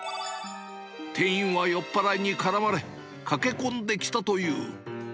店員は酔っ払いに絡まれ、駆け込んできたという。